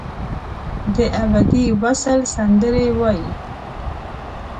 دابدي وصل سندرې وایې